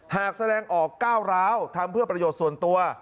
หากแสดงออกก้าวร้าวทำเพื่อประโยชน์ส่วนตัว